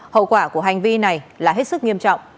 hậu quả của hành vi này là hết sức nghiêm trọng